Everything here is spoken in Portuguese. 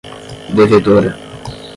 devedora